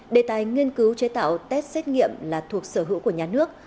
đề tài nghiên cứu chế tạo test xét nghiệm là thuộc sở hữu của nhà nước